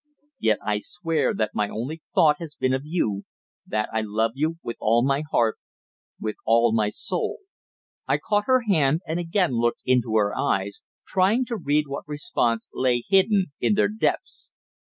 Yet I swear that my only thought has been of you, that I love you with all my heart with all my soul." I caught her hand and again looked into her eyes, trying to read what response lay hidden in their depths.